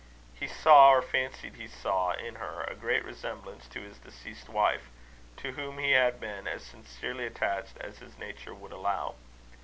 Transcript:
He saw, or fancied he saw in her, a great resemblance to his deceased wife, to whom he had been as sincerely attached as his nature would allow.